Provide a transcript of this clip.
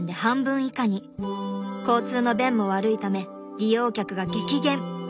交通の便も悪いため利用客が激減。